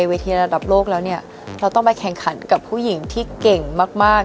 เวทีระดับโลกแล้วเนี่ยเราต้องไปแข่งขันกับผู้หญิงที่เก่งมาก